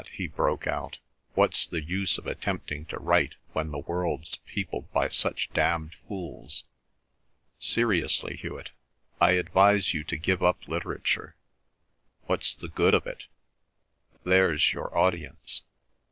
he broke out, "what's the use of attempting to write when the world's peopled by such damned fools? Seriously, Hewet, I advise you to give up literature. What's the good of it? There's your audience."